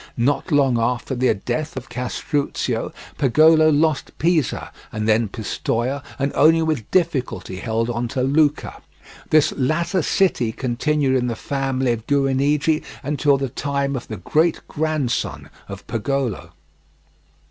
Not long after the death of Castruccio, Pagolo lost Pisa, and then Pistoia, and only with difficulty held on to Lucca. This latter city continued in the family of Guinigi until the time of the great grandson of Pagolo.